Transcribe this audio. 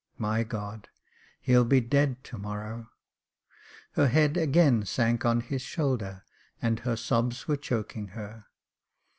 " My God ! he'll be dead to morrow !" Her head again sank on his shoulder, and her sobs were choking her.